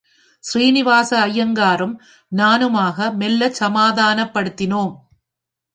ஸ்ரீனிவாச ஐயங்காரும் நானுமாக, மெல்லச் சமாதானப்படுத்தினோம்.